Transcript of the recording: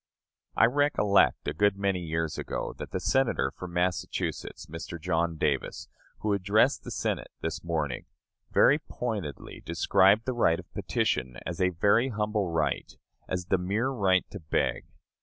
I recollect, a good many years ago, that the Senator from Massachusetts [Mr. John Davis], who addressed the Senate this morning, very pointedly described the right of petition as a very humble right as the mere right to beg.